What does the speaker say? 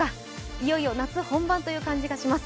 いよいよ夏本番という感じがします